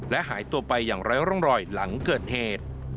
และหายตัวไปอย่างไร้ร่องรอยหลังเกิดเหตุ